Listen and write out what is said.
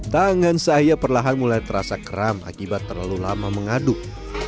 tangan saya perlahan mulai terasa keram akibat terlalu lama mengaduk